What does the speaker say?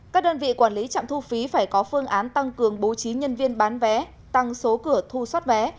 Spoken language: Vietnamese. các đơn vị quản lý trạm thu phí phải có phương án tăng cường bố trí nhân viên bán vé tăng số cửa thu xoát vé